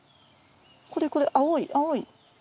これこれ青い青い。